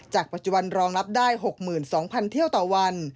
ปัจจุบันรองรับได้๖๒๐๐เที่ยวต่อวัน